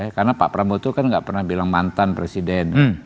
karena pak prabowo itu kan gak pernah bilang mantan presiden